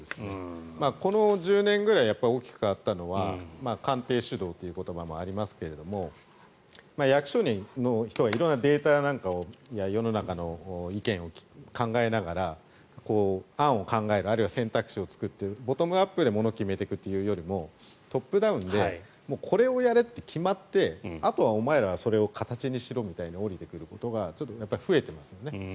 この１０年ぐらいで大きく変わったのは官邸主導という言葉もありますが役所の人が色んなデータなんかを世の中の意見を考えながら案を考えるあるいは選択肢を作ってボトムアップで意見を決めていくというよりもトップダウンでこれをやれって決まってあとはお前らがそれを形にしろと下りてくることがちょっと増えていますね。